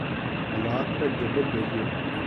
حالات کا جبر دیکھیے۔